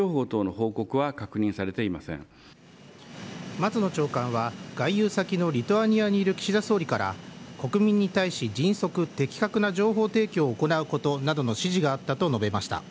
松野長官は外遊先のリトアニアにいる岸田総理から国民に対し迅速、的確な情報提供を行うことなどの指示があったと述べました。